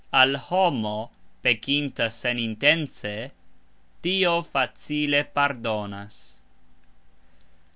Al homo, pekinta senintence, Dio facile pardonas.